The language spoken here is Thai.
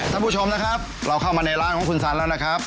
ท่านผู้ชมครับเราเข้ามาในร้านของคุณสันแล้วนะครับ